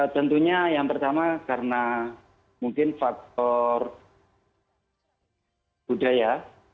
tentunya yang pertama karena mungkin faktor budaya